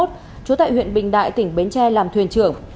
trú tại huyện bình đại tỉnh bến tre làm thuyền trưởng